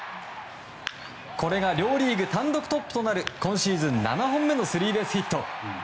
これが両リーグ単独トップとなる今シーズン７本目のスリーベースヒット。